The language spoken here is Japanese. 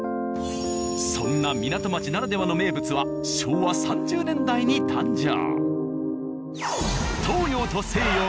そんな港町ならではの名物は昭和３０年代に誕生。